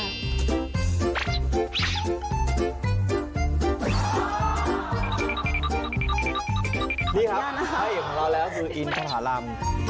นี่ครับไอ้เห็นของเราแล้วฮืออินตภารม